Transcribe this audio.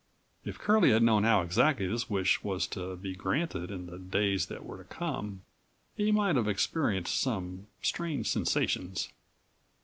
If Curlie had known how exactly this wish was to be granted in the days that were to come, he might have experienced some strange sensations.